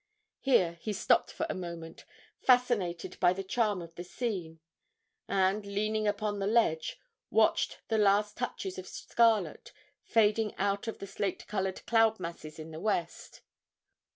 Here he stopped for a moment, fascinated by the charm of the scene, and, leaning upon the ledge, watched the last touches of scarlet fading out of the slate coloured cloud masses in the west.